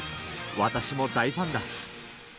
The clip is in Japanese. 私も大ファンだ。